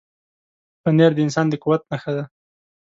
پنېر د انسان د قوت نښه ده.